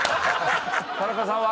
田中さんは？